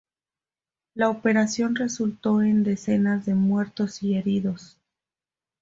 La operación resultó en decenas de muertos y heridos.